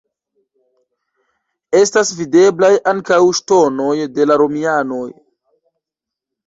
Estas videblaj ankaŭ ŝtonoj de la romianoj.